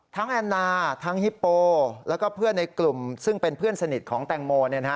แอนนาทั้งฮิปโปแล้วก็เพื่อนในกลุ่มซึ่งเป็นเพื่อนสนิทของแตงโม